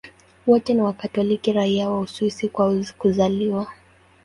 Wote ni Wakatoliki raia wa Uswisi kwa kuzaliwa.